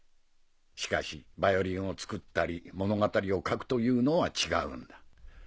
しかしバイオリンを作ったり物語を書くというのは違うんだ。